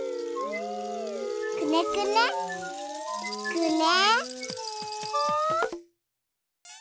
くねくねくね。